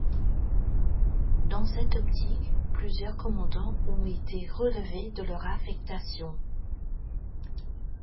Dans cette optique, plusieurs commandants ont été relevés de leur affectation.